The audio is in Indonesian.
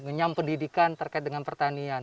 menyam pendidikan terkait dengan pertanian